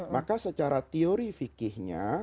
maka secara teori fikihnya